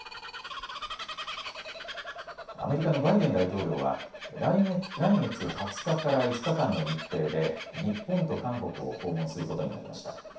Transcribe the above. アメリカのバイデン大統領は来月２０日から５日間の日程で日本と韓国を訪問することになりました。